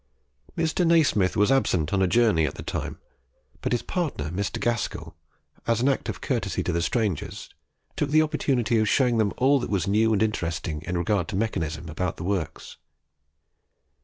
Mr. Nasmyth was absent on a journey at the time, but his partner, Mr. Gaskell, as an act of courtesy to the strangers, took the opportunity of showing them all that was new and interesting in regard to mechanism about the works.